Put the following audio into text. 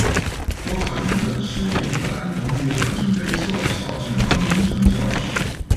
波克灵顿是英格兰东约克郡的一座小镇和民政教区。